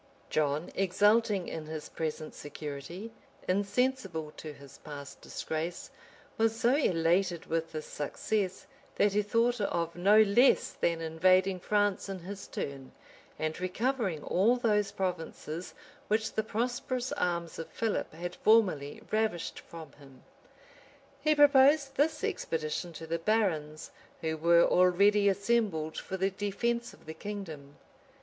John, exulting in his present security, insensible to his past disgrace, was so elated with this success, that he thought of no less than invading France in his turn, and recovering all those provinces which the prosperous arms of Philip had formerly ravished from him. He proposed this expedition to the barons, who were already assembled for the defence of the kingdom.